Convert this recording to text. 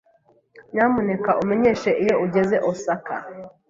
Nyamuneka umenyeshe iyo ugeze Osaka.